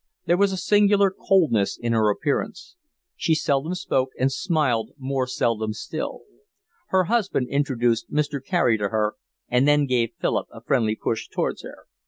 There was a singular coldness in her appearance. She seldom spoke and smiled more seldom still. Her husband introduced Mr. Carey to her, and then gave Philip a friendly push towards her.